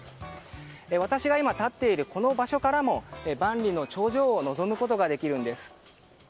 私が今立っているこの場所からも万里の長城を望むことができるんです。